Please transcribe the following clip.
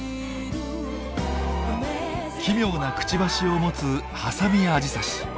奇妙なクチバシを持つハサミアジサシ。